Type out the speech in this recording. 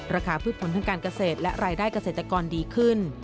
พืชผลทางการเกษตรและรายได้เกษตรกรดีขึ้น